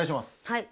はい。